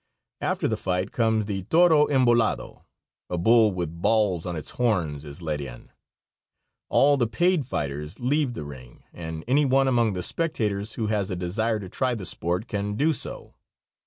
After the fight comes the toro embolado. A bull with balls on its horns is led in. All the paid fighters leave the ring and any one among the spectators who has a desire to try the sport can do so.